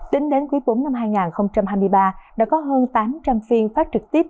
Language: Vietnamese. tính đến quý bốn năm hai nghìn hai mươi ba đã có hơn tám trăm linh phiên phát trực tiếp